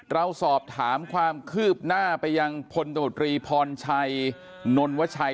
เราสอบถามความคืบหน้าไปยังพลตมตรีพรชัยนนวชัย